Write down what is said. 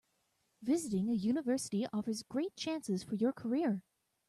Visiting a university offers great chances for your career.